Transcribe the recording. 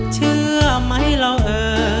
เชื่อไหมเราเอ่อ